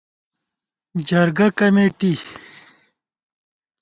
جرگہ کمېٹی